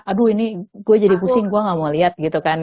aduh ini gue jadi pusing gue gak mau lihat